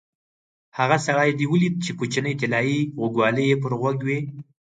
هغه سړی دې ولید چې کوچنۍ طلایي غوږوالۍ یې په غوږ وې؟